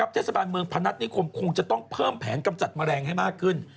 เทศบาลเมืองพนัฐนิคมคงจะต้องเพิ่มแผนกำจัดแมลงให้มากขึ้น